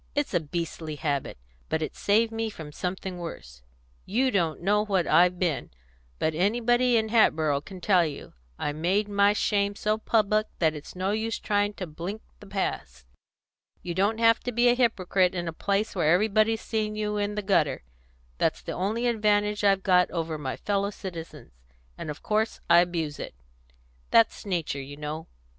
It's a beastly habit. But it's saved me from something worse. You don't know what I've been; but anybody in Hatboro' can tell you. I made my shame so public that it's no use trying to blink the past. You don't have to be a hypocrite in a place where everybody's seen you in the gutter; that's the only advantage I've got over my fellow citizens, and of course I abuse it; that's nature, you know.